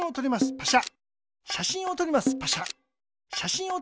パシャ。